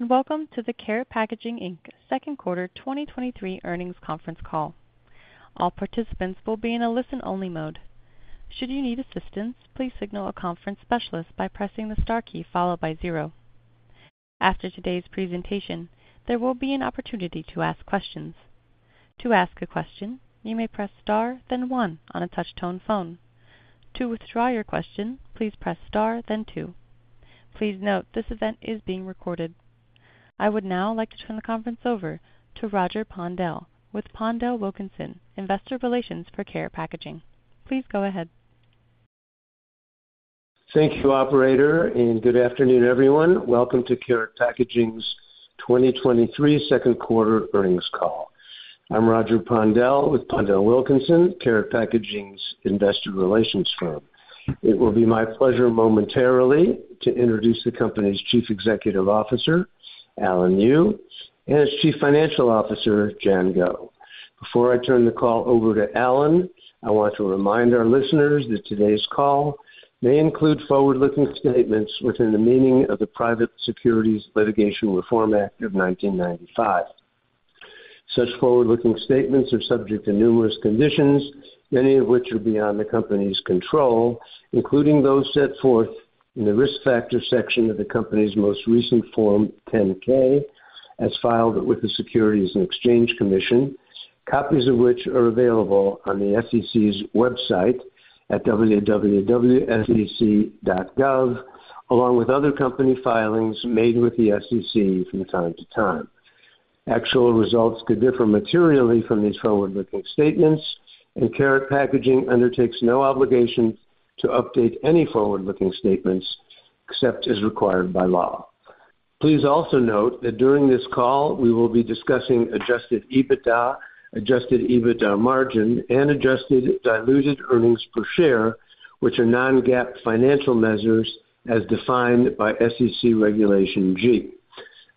Welcome to the Karat Packaging Inc. Second Quarter 2023 Earnings Conference Call. All participants will be in a listen-only mode. Should you need assistance, please signal a conference specialist by pressing the star key followed by zero. After today's presentation, there will be an opportunity to ask questions. To ask a question, you may press star, then one on a touch-tone phone. To withdraw your question, please press star then two. Please note, this event is being recorded. I would now like to turn the conference over to Roger Pondel, with PondelWilkinson, investor relations for Karat Packaging. Please go ahead. Thank you, operator, good afternoon, everyone. Welcome to Karat Packaging's 2023 Second Quarter Earnings Call. I'm Roger Pondel with PondelWilkinson, Karat Packaging's investor relations firm. It will be my pleasure momentarily to introduce the company's Chief Executive Officer, Alan Yu, and its Chief Financial Officer, Jian Guo. Before I turn the call over to Alan, I want to remind our listeners that today's call may include forward-looking statements within the meaning of the Private Securities Litigation Reform Act of 1995. Such forward-looking statements are subject to numerous conditions, many of which are beyond the company's control, including those set forth in the Risk Factors section of the company's most recent Form 10-K, as filed with the Securities and Exchange Commission. Copies of which are available on the SEC's website at www.sec.gov, along with other company filings made with the SEC from time to time. Actual results could differ materially from these forward-looking statements. Karat Packaging undertakes no obligation to update any forward-looking statements, except as required by law. Please also note that during this call, we will be discussing Adjusted EBITDA, Adjusted EBITDA margin, and Adjusted Diluted Earnings Per Share, which are non-GAAP financial measures as defined by SEC Regulation G.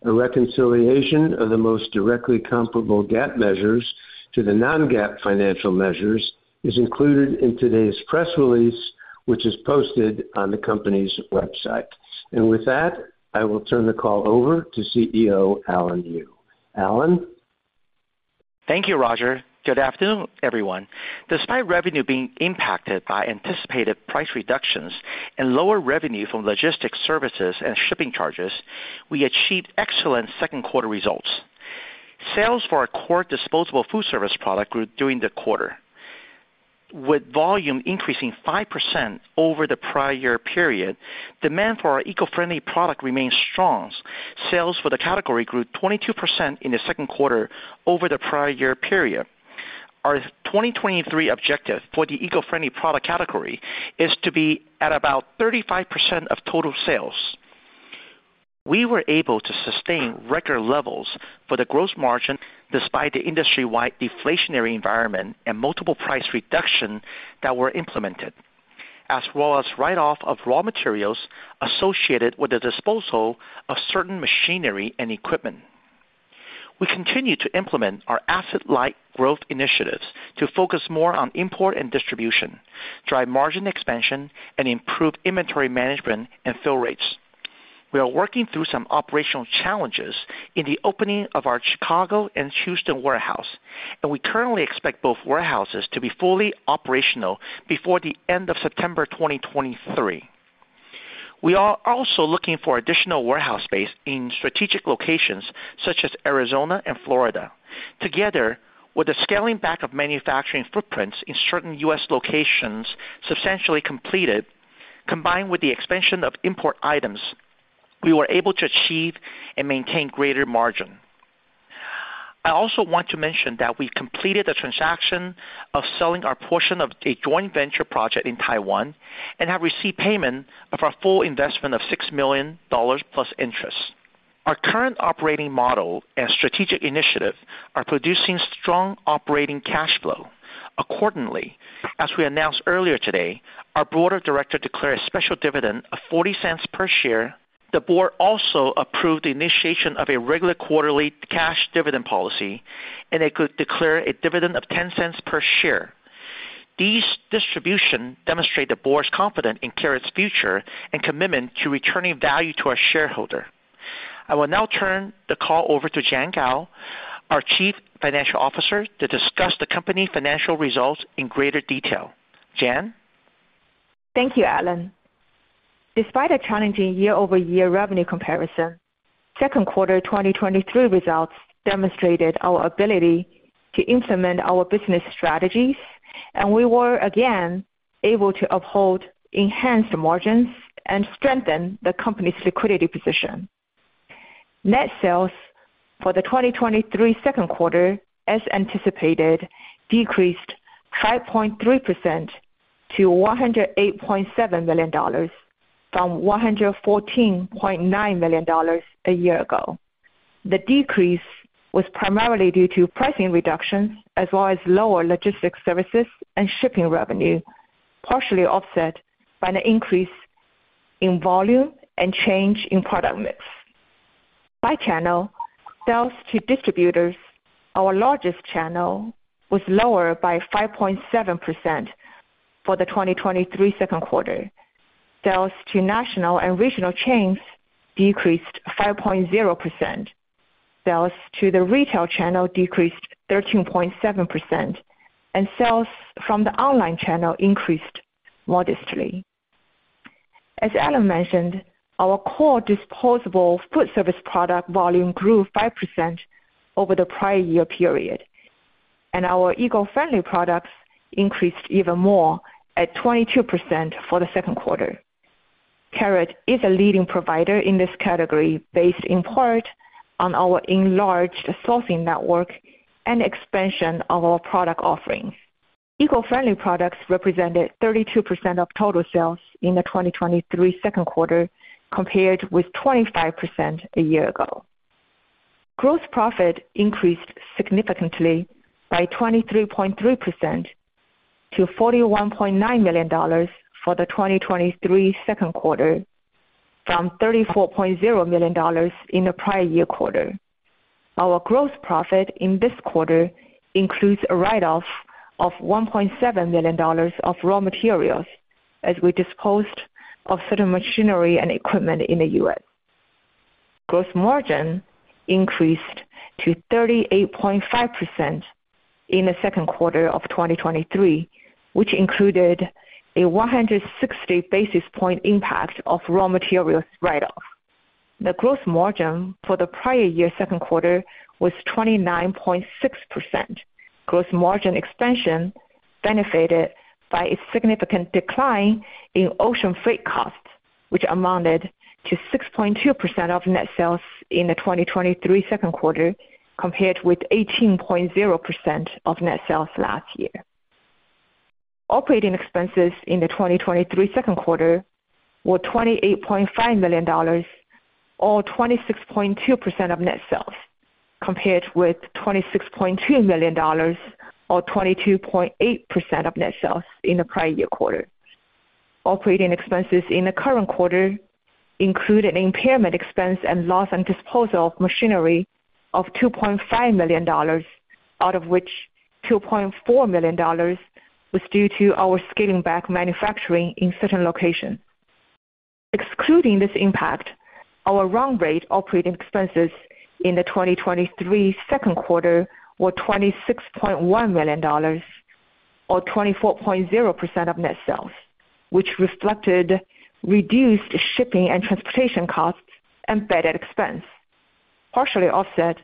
A reconciliation of the most directly comparable GAAP measures to the non-GAAP financial measures is included in today's press release, which is posted on the company's website. With that, I will turn the call over to CEO, Alan Yu. Alan? Thank you, Roger. Good afternoon, everyone. Despite revenue being impacted by anticipated price reductions and lower revenue from logistics services and shipping charges, we achieved excellent second quarter results. Sales for our core disposable foodservice product grew during the quarter, with volume increasing 5% over the prior year period. Demand for our eco-friendly product remains strong. Sales for the category grew 22% in the second quarter over the prior year period. Our 2023 objective for the eco-friendly product category is to be at about 35% of total sales. We were able to sustain record levels for the gross margin, despite the industry-wide deflationary environment and multiple price reduction that were implemented, as well as write-off of raw materials associated with the disposal of certain machinery and equipment. We continue to implement our asset-light growth initiatives to focus more on import and distribution, drive margin expansion and improve inventory management and fill rates. We are working through some operational challenges in the opening of our Chicago and Houston warehouse. We currently expect both warehouses to be fully operational before the end of September 2023. We are also looking for additional warehouse space in strategic locations such as Arizona and Florida. Together, with the scaling back of manufacturing footprints in certain U.S. locations substantially completed, combined with the expansion of import items, we were able to achieve and maintain greater margin. I also want to mention that we completed a transaction of selling our portion of a joint venture project in Taiwan and have received payment of our full investment of $6 million plus interest. Our current operating model and strategic initiative are producing strong operating cash flow. Accordingly, as we announced earlier today, our board of directors declared a special dividend of $0.40 per share. The board also approved the initiation of a regular quarterly cash dividend policy. It could declare a dividend of $0.10 per share. These distribution demonstrate the board's confident in Karat's future and commitment to returning value to our shareholder. I will now turn the call over to Jian Guo, our Chief Financial Officer, to discuss the company financial results in greater detail. Jian? Thank you, Alan. Despite a challenging year-over-year revenue comparison, second quarter 2023 results demonstrated our ability to implement our business strategies, and we were again able to uphold enhanced margins and strengthen the company's liquidity position. Net sales for the 2023 second quarter, as anticipated, decreased 5.3% to $108.7 million from $114.9 million a year ago. The decrease was primarily due to pricing reductions, as well as lower logistics services and shipping revenue, partially offset by an increase in volume and change in product mix. By channel, sales to distributors, our largest channel, was lower by 5.7% for the 2023 second quarter. Sales to national and regional chains decreased 5.0%. Sales to the retail channel decreased 13.7%, and sales from the online channel increased modestly. As Alan mentioned, our core disposable food service product volume grew 5% over the prior year period, and our eco-friendly products increased even more at 22% for the second quarter. Karat is a leading provider in this category, based in part on our enlarged sourcing network and expansion of our product offerings. Eco-friendly products represented 32% of total sales in the 2023 second quarter, compared with 25% a year ago. Gross profit increased significantly by 23.3% to $41.9 million for the 2023 second quarter, from $34.0 million in the prior year quarter. Our gross profit in this quarter includes a write-off of $1.7 million of raw materials, as we disposed of certain machinery and equipment in the U.S. Gross margin increased to 38.5% in the second quarter of 2023, which included a 160 basis point impact of raw materials write-off. The gross margin for the prior year second quarter was 29.6%. Gross margin expansion benefited by a significant decline in ocean freight costs, which amounted to 6.2% of net sales in the 2023 second quarter, compared with 18.0% of net sales last year. Operating expenses in the 2023 second quarter were $28.5 million or 26.2% of net sales, compared with $26.2 million or 22.8% of net sales in the prior year quarter. Operating expenses in the current quarter include an impairment expense and loss and disposal of machinery of $2.5 million, out of which $2.4 million was due to our scaling back manufacturing in certain locations. Excluding this impact, our run rate operating expenses in the 2023 second quarter were $26.1 million or 24.0% of net sales, which reflected reduced shipping and transportation costs and bad debt expense, partially offset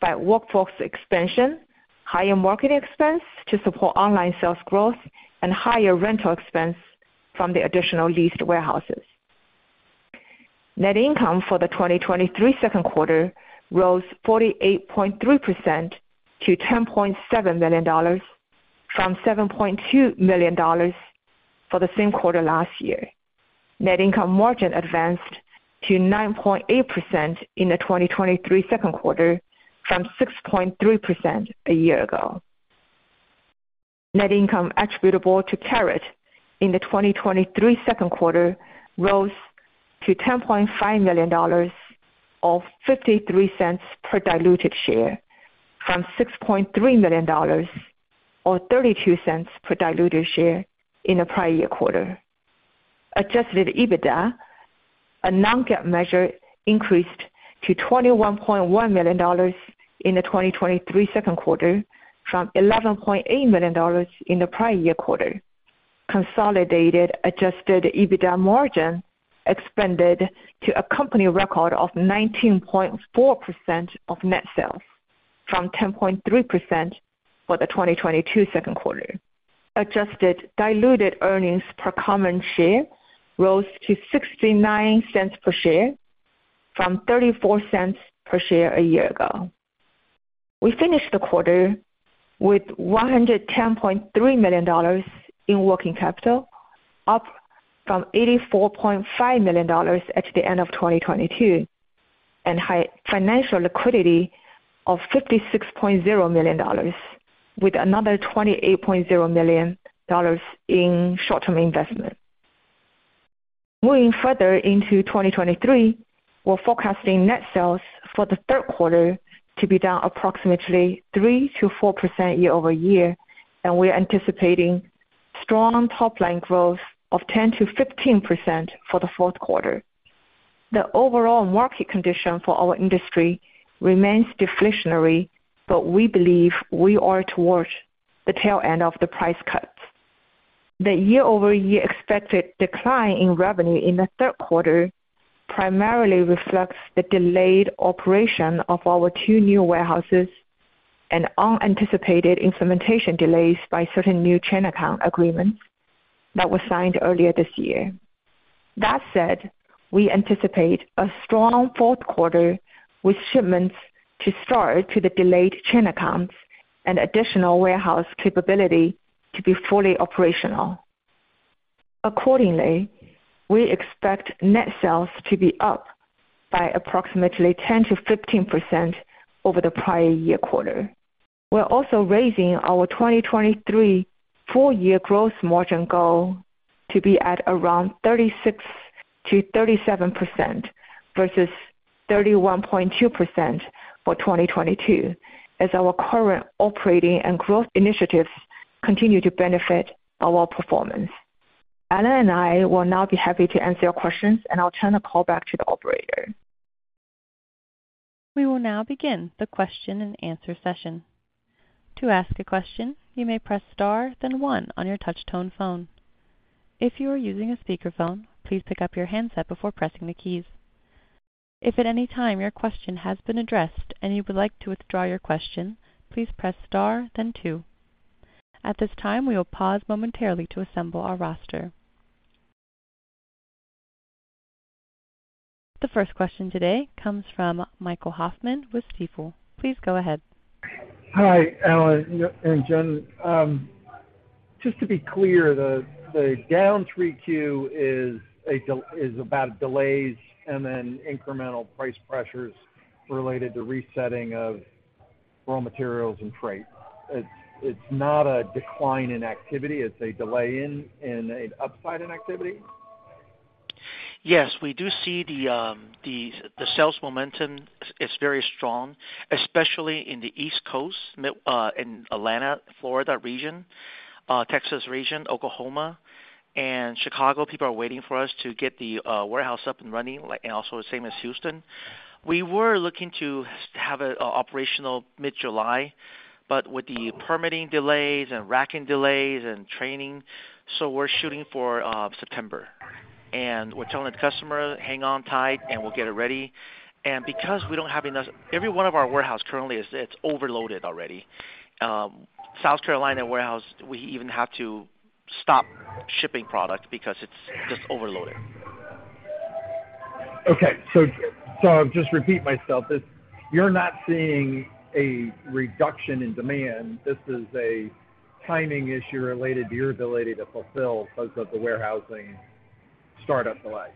by workforce expansion, higher marketing expense to support online sales growth, and higher rental expense from the additional leased warehouses. Net income for the 2023 second quarter rose 48.3% to $10.7 million, from $7.2 million for the same quarter last year. Net income margin advanced to 9.8% in the 2023 second quarter, from 6.3% a year ago. Net income attributable to Karat in the 2023 second quarter rose to $10.5 million, or $0.53 per diluted share, from $6.3 million, or $0.32 per diluted share in the prior year quarter. Adjusted EBITDA, a non-GAAP measure, increased to $21.1 million in the 2023 second quarter from $11.8 million in the prior year quarter. Consolidated adjusted EBITDA margin expanded to a company record of 19.4% of net sales from 10.3% for the 2022 second quarter. Adjusted diluted earnings per common share rose to $0.69 per share from $0.34 per share a year ago. We finished the quarter with $110.3 million in working capital, up from $84.5 million at the end of 2022, and high financial liquidity of $56.0 million, with another $28.0 million in short-term investment. Moving further into 2023, we're forecasting net sales for the third quarter to be down approximately 3%-4% year-over-year. We are anticipating strong top-line growth of 10%-15% for the fourth quarter. The overall market condition for our industry remains deflationary. We believe we are towards the tail end of the price cuts. The year-over-year expected decline in revenue in the third quarter primarily reflects the delayed operation of our two new warehouses and unanticipated implementation delays by certain new chain account agreements that were signed earlier this year. That said, we anticipate a strong fourth quarter, with shipments to start to the delayed chain accounts and additional warehouse capability to be fully operational. Accordingly, we expect net sales to be up by approximately 10%-15% over the prior year quarter. We're also raising our 2023 full-year gross margin goal to be at around 36%-37% versus 31.2% for 2022, as our current operating and growth initiatives continue to benefit our performance. Alan and I will now be happy to answer your questions, I'll turn the call back to the operator. We will now begin the question and answer session. To ask a question, you may press star, then one on your touchtone phone. If you are using a speakerphone, please pick up your handset before pressing the keys. If at any time your question has been addressed and you would like to withdraw your question, please press star then two. At this time, we will pause momentarily to assemble our roster. The first question today comes from Michael Hoffman with Stifel. Please go ahead. Hi, Alan and Jian. Just to be clear, the down 3Q is about delays and then incremental price pressures related to resetting of raw materials and freight. It's not a decline in activity, it's a delay in an upside in activity? Yes, we do see the, the sales momentum is very strong, especially in the East Coast, mid, in Atlanta, Florida region, Texas region, Oklahoma, and Chicago. People are waiting for us to get the warehouse up and running, and also the same as Houston. We were looking to have it operational mid-July, but with the permitting delays and racking delays and training, so we're shooting for September. We're telling the customer, "Hang on tight, and we'll get it ready." Because we don't have enough... Every one of our warehouse currently is, it's overloaded already. South Carolina warehouse, we even have to stop shipping product because it's just overloaded. Okay. I'll just repeat myself. It's, you're not seeing a reduction in demand. This is a timing issue related to your ability to fulfill because of the warehousing startup delay.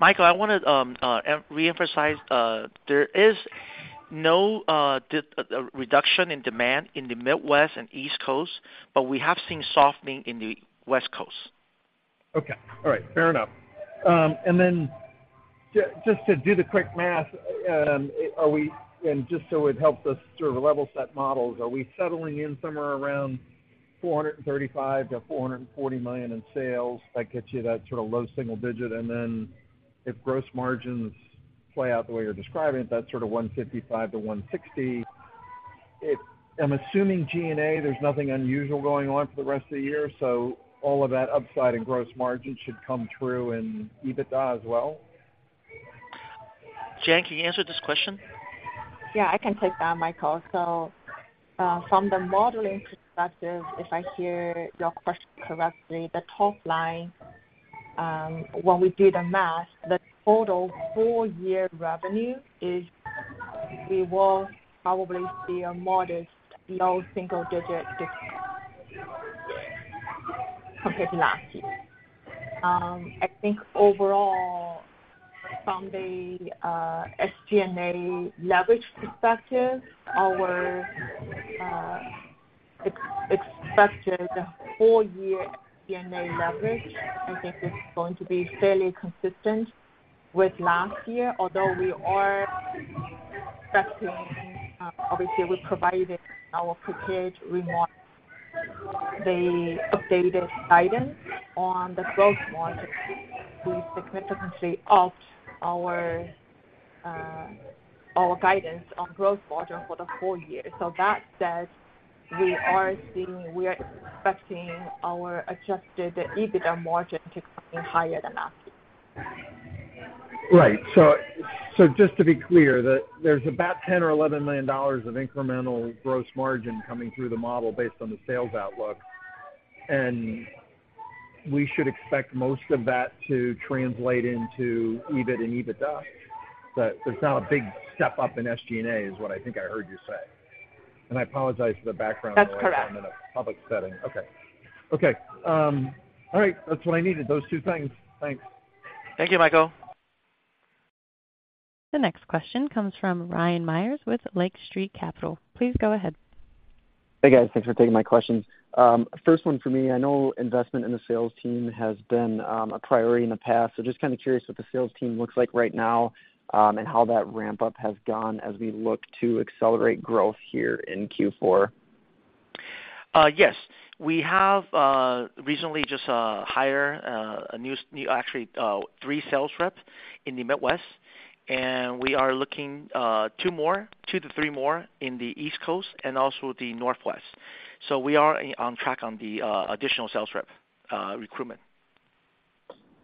Michael, I want to reemphasize, there is no reduction in demand in the Midwest and East Coast, but we have seen softening in the West Coast. Okay. All right. Fair enough. Just to do the quick math, are we, just so it helps us sort of level set models, are we settling in somewhere around $435 million-$440 million in sales? That gets you that sort of low single-digit, if gross margins play out the way you're describing it, that's sort of $155 million-$160 million. I'm assuming G&A, there's nothing unusual going on for the rest of the year, so all of that upside in gross margin should come through in EBITDA as well? Jian, can you answer this question? Yeah, I can take that, Michael. From the modeling perspective, if I hear your question correctly, the top line, when we do the math, the total full year revenue is we will probably see a modest low single-digit decline compared to last year. I think overall, from the SG&A leverage perspective, our expected whole year SG&A leverage, I think it's going to be fairly consistent with last year, although we are expecting, obviously, we provided our prepared remarks, the updated guidance on the growth margin. We significantly upped our guidance on growth margin for the whole year. That said, we are seeing, we are expecting our adjusted EBITDA margin to be higher than last year. Right. Just to be clear, that there's about $10 million or $11 million of incremental gross margin coming through the model based on the sales outlook, and we should expect most of that to translate into EBIT and EBITDA. But there's not a big step up in SG&A, is what I think I heard you say. And I apologize for the background noise. That's correct. I'm in a public setting. Okay. Okay, all right, that's what I needed, those two things. Thanks. Thank you, Michael. The next question comes from Ryan Meyers with Lake Street Capital. Please go ahead. Hey, guys. Thanks for taking my questions. First one for me, I know investment in the sales team has been a priority in the past, so just kind of curious what the sales team looks like right now, and how that ramp-up has gone as we look to accelerate growth here in Q4. Yes. We have recently just hire a new, new, actually, three sales reps in the Midwest, and we are looking two more, two to three more in the East Coast and also the Northwest. We are on track on the additional sales rep recruitment.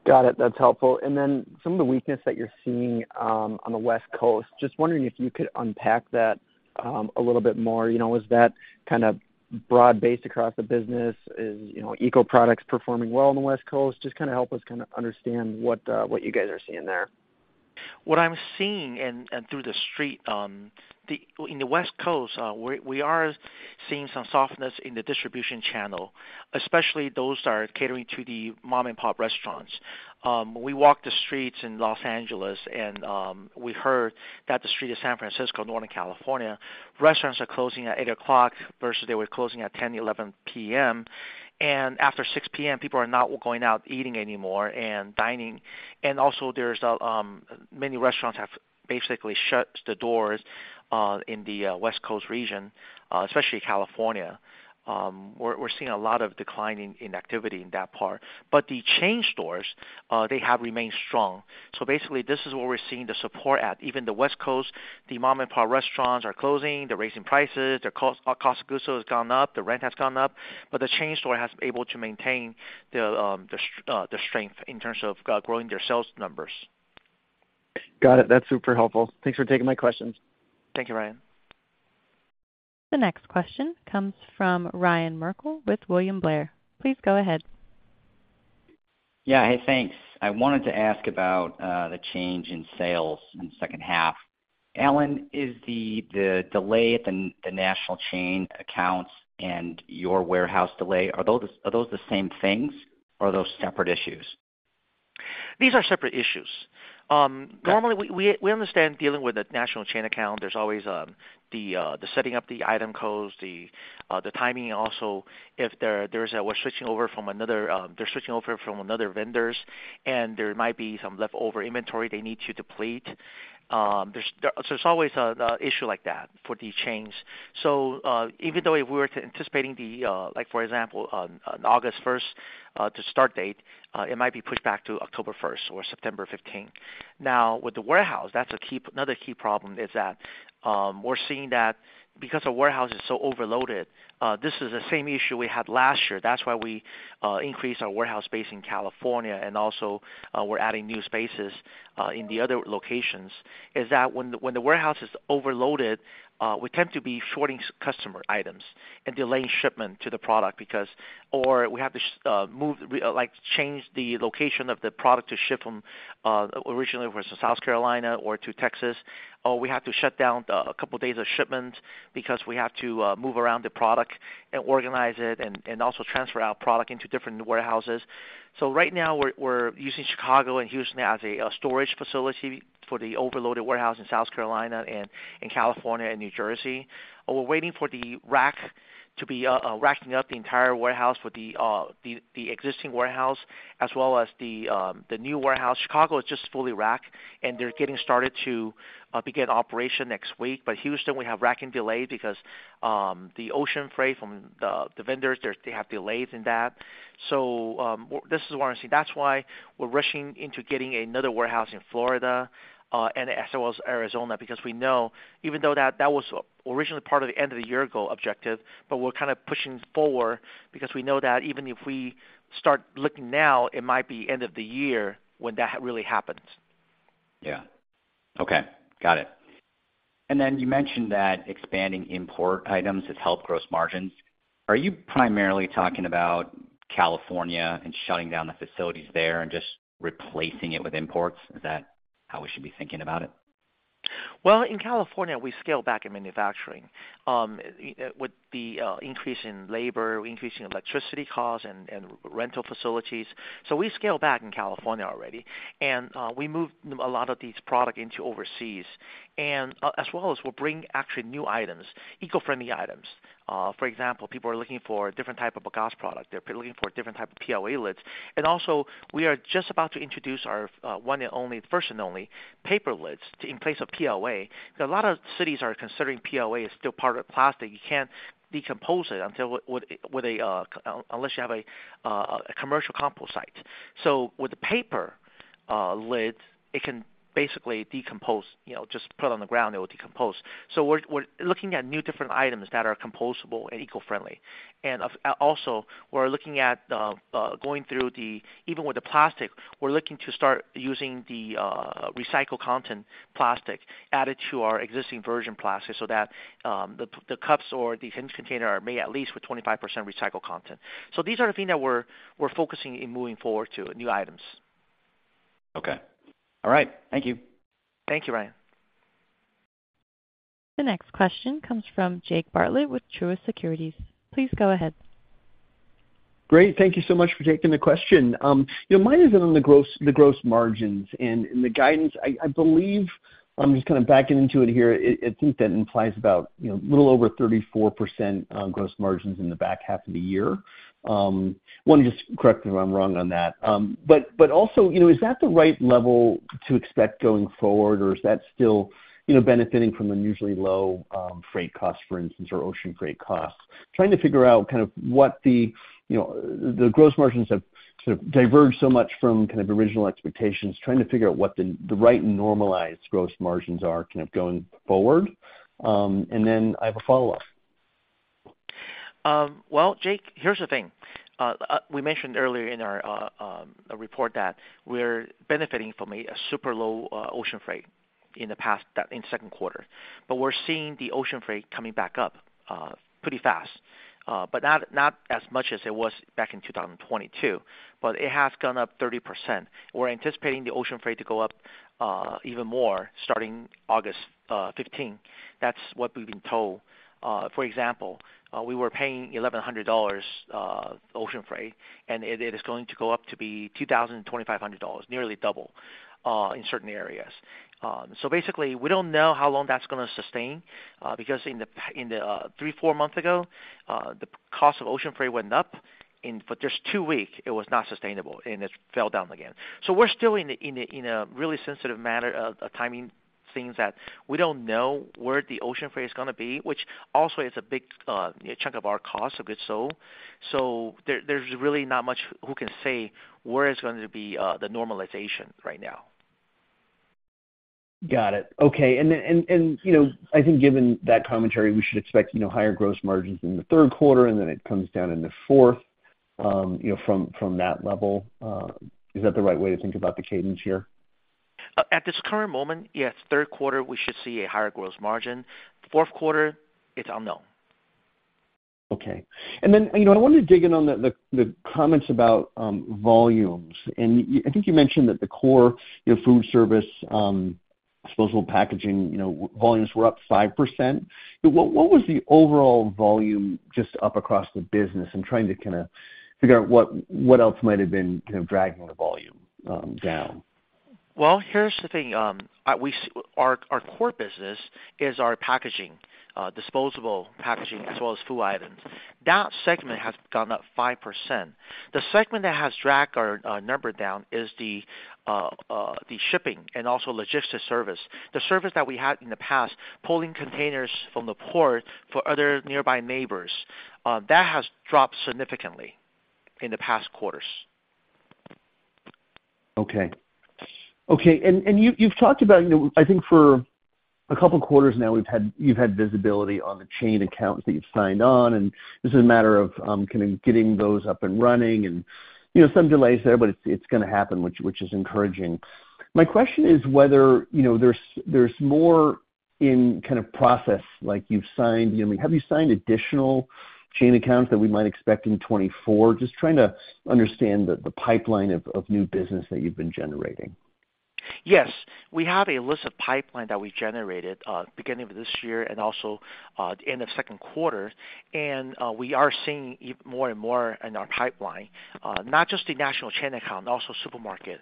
Got it. That's helpful. Then some of the weakness that you're seeing on the West Coast, just wondering if you could unpack that a little bit more. You know, is that kind of broad-based across the business? Is, you know, eco products performing well on the West Coast? Just kind of help us kind of understand what you guys are seeing there. What I'm seeing and, and through the street, in the West Coast, we, we are seeing some softness in the distribution channel, especially those that are catering to the mom-and-pop restaurants. We walked the streets in Los Angeles, and we heard that the street of San Francisco, Northern California, restaurants are closing at 8:00 P.M., versus they were closing at 10:00 P.M., 11:00 P.M. After 6:00 P.M., people are not going out eating anymore and dining. Also there's, many restaurants have basically shut the doors in the West Coast region, especially California. We're, we're seeing a lot of declining in activity in that part. The chain stores, they have remained strong. Basically this is where we're seeing the support at. Even the West Coast, the mom-and-pop restaurants are closing, they're raising prices, their cost, cost of goods has gone up, the rent has gone up, but the chain store has able to maintain the strength in terms of growing their sales numbers. Got it. That's super helpful. Thanks for taking my questions. Thank you, Ryan. The next question comes from Ryan Merkel with William Blair. Please go ahead. Yeah. Hey, thanks. I wanted to ask about the change in sales in the second half. Alan, is the, the delay at the, the national chain accounts and your warehouse delay, are those, are those the same things, or are those separate issues? These are separate issues. Okay. Normally, we, we, we understand dealing with a national chain account, there's always the setting up the item codes, the timing. Also, if there, there's a... We're switching over from another, they're switching over from another vendors, and there might be some leftover inventory they need to deplete. There's, there's always the issue like that for the chains. Even though if we were to anticipating the, like, for example, on August 1st to start date, it might be pushed back to October 1st or September 15th. Now, with the warehouse, that's a key, another key problem is that, we're seeing that because the warehouse is so overloaded, this is the same issue we had last year. That's why we increased our warehouse space in California, and also, we're adding new spaces in the other locations, is that when the, when the warehouse is overloaded, we tend to be shorting customer items and delaying shipment to the product because... We have to move, like, change the location of the product to ship from, originally was to South Carolina or to Texas, or we have to shut down the, a couple days of shipment because we have to move around the product and organize it and, and also transfer our product into different warehouses. Right now we're using Chicago and Houston as a storage facility for the overloaded warehouse in South Carolina and in California and New Jersey. We're waiting for the rack to be racking up the entire warehouse for the, the existing warehouse as well as the new warehouse. Chicago is just fully racked, and they're getting started to begin operation next week. Houston, we have racking delays because the ocean freight from the, the vendors, they're, they have delays in that. This is why we're seeing... That's why we're rushing into getting another warehouse in Florida and as well as Arizona, because we know even though that, that was originally part of the end of the year goal objective, but we're kind of pushing forward because we know that even if we start looking now, it might be end of the year when that really happens. Yeah. Okay, got it. Then you mentioned that expanding import items has helped gross margins. Are you primarily talking about California and shutting down the facilities there and just replacing it with imports? Is that how we should be thinking about it? Well, in California, we scaled back in manufacturing, with the increase in labor, increase in electricity costs and rental facilities. We scaled back in California already, and we moved a lot of these product into overseas. As well as we're bringing actually new items, eco-friendly items. For example, people are looking for different type of a glass product. They're looking for different type of PLA lids. Also, we are just about to introduce our one and only, first and only paper lids in place of PLA. A lot of cities are considering PLA as still part of plastic. You can't decompose it unless you have a commercial compost site. With the paper lid, it can basically decompose, you know, just put on the ground, it will decompose. We're, we're looking at new, different items that are compostable and eco-friendly. Of, also, we're looking at going through the, even with the plastic, we're looking to start using the recycled content plastic added to our existing virgin plastic so that the, the cups or the thin container are made at least with 25% recycled content. These are the things that we're, we're focusing in moving forward to new items. Okay. All right. Thank you. Thank you, Ryan. The next question comes from Jake Bartlett with Truist Securities. Please go ahead. Great. Thank you so much for taking the question. You know, mine is on the gross, the gross margins and, and the guidance. I, I believe I'm just kind of backing into it here. I, I think that implies about, you know, a little over 34% gross margins in the back half of the year. One, just correct me if I'm wrong on that. Also, you know, is that the right level to expect going forward, or is that still, you know, benefiting from unusually low freight costs, for instance, or ocean freight costs? Trying to figure out kind of what the, you know, the gross margins have sort of diverged so much from kind of original expectations, trying to figure out what the, the right and normalized gross margins are kind of going forward. And then I have a follow-up. Well, Jake, here's the thing. We mentioned earlier in our report that we're benefiting from a super low ocean freight in the past, that in second quarter. We're seeing the ocean freight coming back up pretty fast, but not as much as it was back in 2022. It has gone up 30%. We're anticipating the ocean freight to go up even more starting August 15. That's what we've been told. For example, we were paying $1,100 ocean freight, and it is going to go up to be $2,000-$2,500, nearly double, in certain areas. Basically, we don't know how long that's gonna sustain, because in the three, four months ago, the cost of ocean freight went up, and for just two weeks it was not sustainable, and it fell down again. We're still in a really sensitive matter of timing things that we don't know where the ocean freight is gonna be, which also is a big chunk of our cost of goods sold. There's really not much who can say where it's going to be, the normalization right now. Got it. Okay. You know, I think given that commentary, we should expect, you know, higher gross margins in the third quarter, and then it comes down in the fourth, you know, from, from that level. Is that the right way to think about the cadence here? At this current moment, yes, third quarter, we should see a higher gross margin. Fourth quarter, it's unknown. Okay. Then, you know, I wanted to dig in on the, the, the comments about, volumes. I think you mentioned that the core, you know, food service, disposable packaging, you know, volumes were up 5%. What, what was the overall volume just up across the business? I'm trying to kinda figure out what, what else might have been kind of dragging the volume, down. Well, here's the thing, our core business is our packaging, disposable packaging as well as food items. That segment has gone up 5%. The segment that has dragged our number down is the shipping and also logistics service. The service that we had in the past, pulling containers from the port for other nearby neighbors, that has dropped significantly in the past quarters. Okay. Okay, you've, you've talked about, you know, I think for a couple of quarters now, you've had visibility on the chain accounts that you've signed on. This is a matter of, kind of getting those up and running and, you know, some delays there, it's, it's gonna happen, which, which is encouraging. My question is whether, you know, there's, there's more in kind of process like you've signed. You know, have you signed additional chain accounts that we might expect in 2024? Just trying to understand the, the pipeline of, of new business that you've been generating. Yes, we have a list of pipeline that we generated, beginning of this year and also, in the second quarter, and we are seeing more and more in our pipeline, not just the national chain account, also supermarket.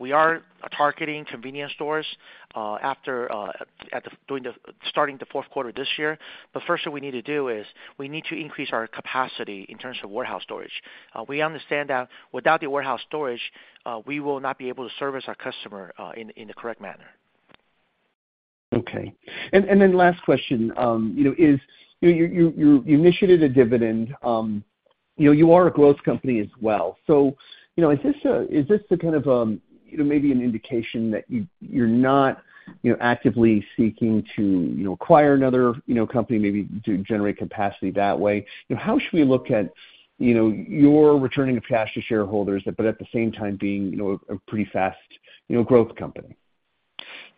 We are targeting convenience stores, after, at the, during the starting the fourth quarter this year. First thing we need to do is we need to increase our capacity in terms of warehouse storage. We understand that without the warehouse storage, we will not be able to service our customer, in, in the correct manner. Okay. Then last question, you know, is you, you, you, you initiated a dividend, you know, you are a growth company as well. You know, is this a, is this the kind of, you know, maybe an indication that you, you're not, you know, actively seeking to, you know, acquire another, you know, company, maybe to generate capacity that way? You know, how should we look at, you know, your returning of cash to shareholders, but at the same time being, you know, a pretty fast, you know, growth company?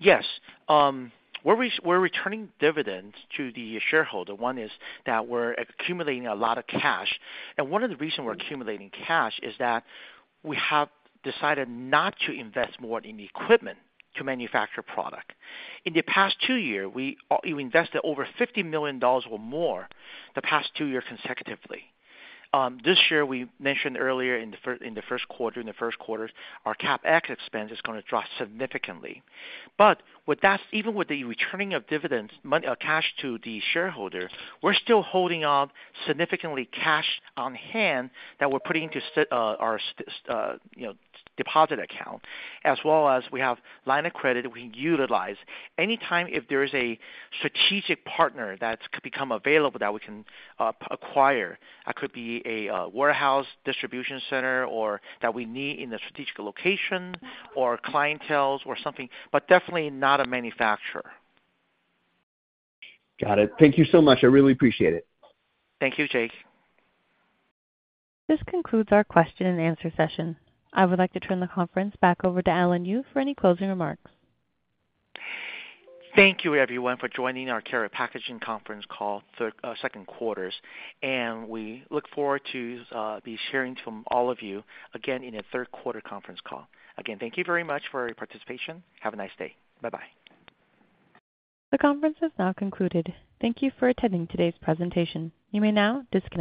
Yes. We're re- we're returning dividends to the shareholder. One is that we're accumulating a lot of cash, and one of the reasons we're accumulating cash is that we have decided not to invest more in the equipment to manufacture product. In the past two year, we, we invested over $50 million or more, the past two years consecutively. This year, we mentioned earlier in the fir- in the first quarter, in the first quarter, our CapEx expense is gonna drop significantly. With that, even with the returning of dividends, money, cash to the shareholder, we're still holding on significantly cash on hand that we're putting into s- uh, our s- uh, you know, deposit account, as well as we have line of credit we can utilize anytime if there is a strategic partner that could become available that we can acquire. That could be a warehouse distribution center or that we need in a strategic location or clienteles or something, but definitely not a manufacturer. Got it. Thank you so much. I really appreciate it. Thank you, Jake. This concludes our question-and-answer session. I would like to turn the conference back over to Alan Yu for any closing remarks. Thank you, everyone, for joining our Karat Packaging Conference Call, third, second quarters, and we look forward to, be hearing from all of you again in the third quarter conference call. Again, thank you very much for your participation. Have a nice day. Bye-bye. The conference is now concluded. Thank you for attending today's presentation. You may now disconnect.